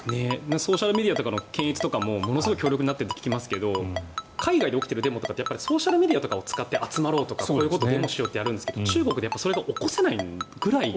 ソーシャルメディアとかの検閲とかもものすごい強力になっていると聞きますけど海外で起きているデモとかってソーシャルメディアを使って集まろうとかこういうことをやろうってするんですけど中国ではこういうことを起こせない。